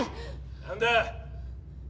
何だ？